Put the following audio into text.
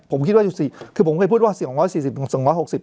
ผมคิดว่าอยู่สี่คือผมเคยพูดว่าสี่สองร้อยสี่สิบถึงสองร้อยหกสิบ